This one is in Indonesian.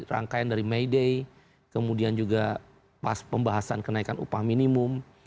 rangkaian dari may day kemudian juga pas pembahasan kenaikan upah minimum